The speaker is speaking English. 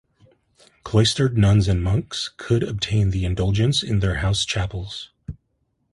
Cloistered nuns and monks could obtain the indulgence in their house chapels.